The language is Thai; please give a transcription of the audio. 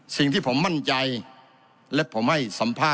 สิ่งที่ผมมั่นใจและผมให้สัมภาษณ